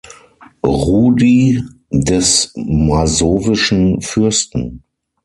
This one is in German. Rudy, des masowischen Fürsten.